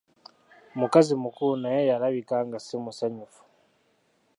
Mukazi mukulu naye yalabika nga simusanyufu.